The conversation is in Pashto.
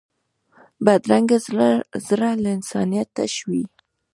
بدرنګه زړه له انسانیت تش وي